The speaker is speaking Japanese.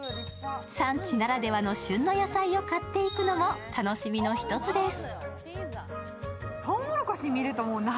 産地ならではの旬の野菜を買っていくのも楽しみの一つです。